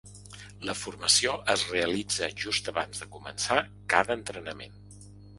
La formació es realitza just abans de començar cada entrenament.